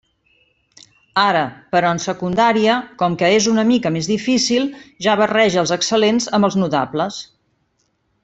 Ara, però, en Secundària, com que és una mica més difícil, ja barreja els excel·lents amb els notables.